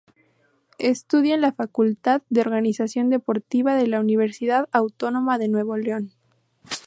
Estudia en la Facultad de Organización Deportiva de la Universidad Autónoma de Nuevo León.